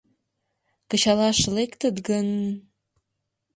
Кычалаш лектыт гын...